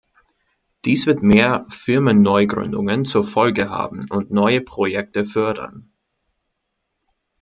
Dies wird mehr Firmenneugründungen zur Folge haben und neue Projekte fördern.